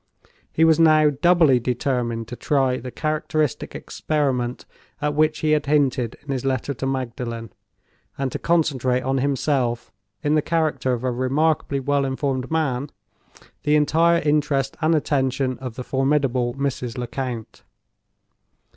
He was now doubly determined to try the characteristic experiment at which he had hinted in his letter to Magdalen, and to concentrate on himself—in the character of a remarkably well informed man—the entire interest and attention of the formidable Mrs. Lecount.